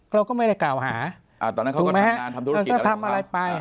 เราก็ไม่ได้กล่าวหาตอนนั้นเขาก็ทำงานทำธุรกิจอะไรของเขา